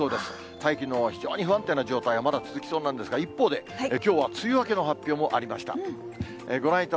大気の非常に不安定な状態はまだ続きそうなんですが、一方で、きょうは梅雨明けの発表もありました。